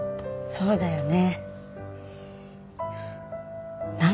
そうだよね。